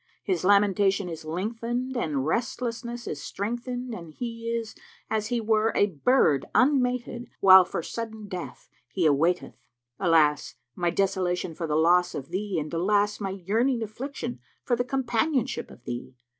His lamentation is lengthened and restlessness is strengthened and he is as he were a bird unmated * While for sudden death he awaiteth * Alas, my desolation for the loss of thee * and alas, my yearning affliction for the companionship of thee!